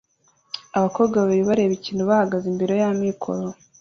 Abakobwa babiri bareba ikintu bahagaze imbere ya mikoro